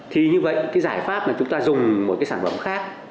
thì như vậy cái giải pháp là chúng ta dùng một cái sản phẩm khác